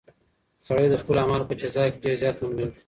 سړی د خپلو اعمالو په جزا کې ډېر زیات غمجن شو.